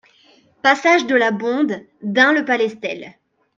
Passage de la Bonde, Dun-le-Palestel